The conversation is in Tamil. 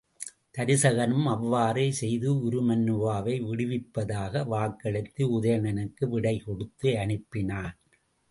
தருசகனும் அவ்வாறே செய்து உருமண்ணுவாவை விடுவிப்பதாக வாக்களித்து உதயணனுக்கு விடை கொடுத்து அனுப்பினான்.